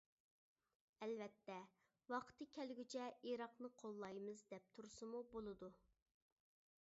ئەلۋەتتە، ۋاقتى كەلگۈچە ئىراقنى قوللايمىز، دەپ تۇرسىمۇ بولىدۇ.